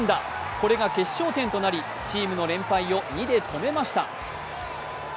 これが決勝点となりチームの連敗を２で止めました。